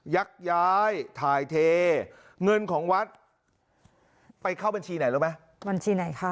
ยักษ์ย้ายทายเทเงินของวัดไปเข้าบัญชีไหนล่ะไหม